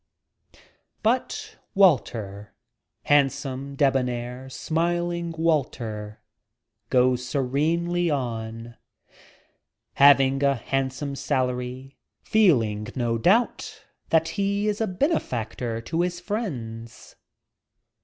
But Walter, handsome, debonair, smiling Wal ter, goes serenely on, having a handsome salary, feeling, no doubt, that he is a benefactor to his friends.